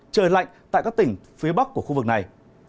trời lạnh tại các tỉnh phía bắc của khu vực này